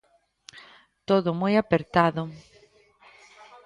Todo moi apertado.